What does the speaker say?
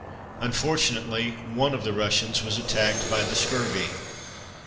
Unfortunately, one of the Russians was attacked by the scurvy.